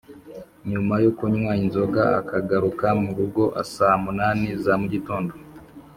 nyuma yo kunywa inzoga akagaruka mu rugo saa munani za mugitondo